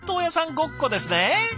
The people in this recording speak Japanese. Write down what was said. ごっこですね！